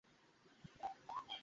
আমি অনেকবার ক্ষমা চেয়েছি।